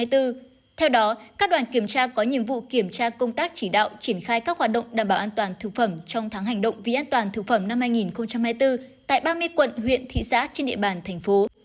theo đó các đoàn kiểm tra có nhiệm vụ kiểm tra công tác chỉ đạo triển khai các hoạt động đảm bảo an toàn thực phẩm trong tháng hành động vì an toàn thực phẩm năm hai nghìn hai mươi bốn tại ba mươi quận huyện thị xã trên địa bàn thành phố